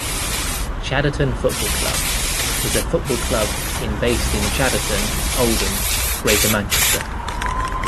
Chadderton Football Club is a football club in based in Chadderton, Oldham, Greater Manchester.